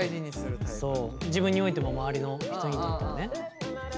自分においても周りの人にとってもね。